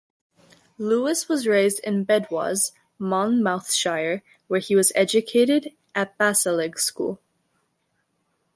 Lewis was raised in Bedwas, Monmouthshire, where he was educated at Bassaleg School.